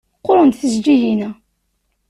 Qqurent tjeǧǧigin-a.